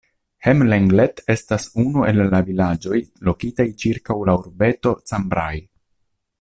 Hem-Lenglet estas unu el la vilaĝoj lokitaj ĉirkaŭ la urbeto Cambrai.